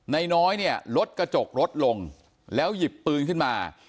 นายน้อยเนี่ยลดกระจกรถลงแล้วหยิบปืนขึ้นมา